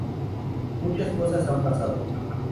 Muchas cosas han pasado.